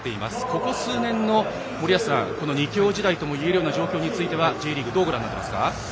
ここ数年の２強時代ともいえるような状況についてはＪリーグどうご覧になっていますか？